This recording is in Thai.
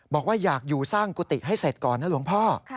บอกว่าอยากอยู่สร้างกุฏิให้เสร็จก่อนนะหลวงพ่อ